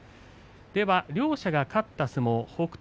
両者が勝った相撲北勝